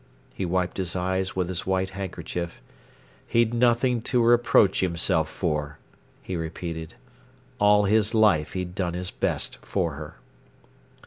He wiped his eyes with his white handkerchief. He'd nothing to reproach himself for, he repeated. All his life he'd done his best for her.